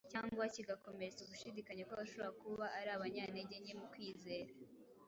cyangwa kigakomeretsa ugushidikanya kw’abashobora kuba ari abanyantege nke mu kwizera.